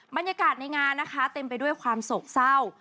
บรรยากาศในงานนะคะเต็มไปด้วยความโศกเศร้า